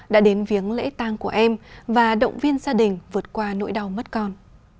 đã đến viếng lễ tang của em và động viên gia đình vượt qua nỗi đau mất con